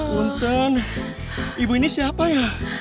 bunten ibu ini siapa ya